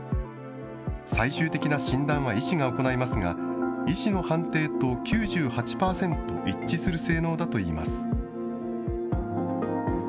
最終的な診断は医師が行いますが、医師の判定と９８％一致する性能だといいます。